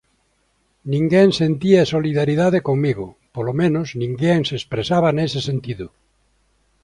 Ninguén sentía solidariedade comigo, polo menos ninguén se expresaba nese sentido.